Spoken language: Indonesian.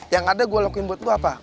yang ada gue lakuin buat gue apa